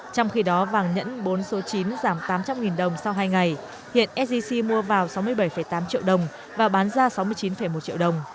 trong khi đó vàng nhẫn bốn số chín giảm tám trăm linh đồng sau hai ngày hiện sgc mua vào sáu mươi bảy tám triệu đồng và bán ra sáu mươi chín một triệu đồng